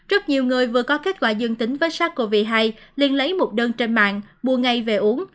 rất nhiều người vừa có kết quả dương tính với sars cov hai liên lấy một đơn trên mạng mua ngay về uống